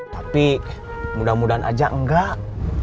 tapi mudah mudahan aja enggak